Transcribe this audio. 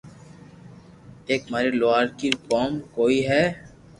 ايڪ ماري لوھارڪي رو ڪوم ڪوئي ھوئي